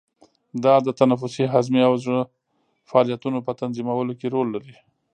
دا د تنفسي، هضمي او زړه فعالیتونو په تنظیمولو کې رول لري.